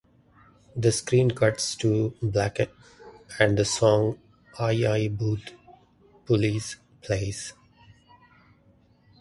The screen cuts to black and the song "Aayi Aayi Bhoot Police" plays.